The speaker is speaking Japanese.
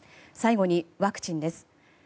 最後にワクチンです。